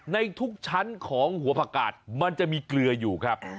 ในทุกชั้นของหัวผักกาดมันจะมีเกลืออยู่ครับ